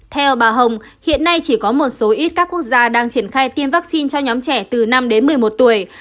theo bà hồng hiện nay chỉ có một số ít các quốc gia đang triển khai tiêm vaccine cho nhóm trẻ từ năm đến một mươi một tuổi